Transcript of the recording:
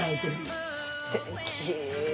すてき。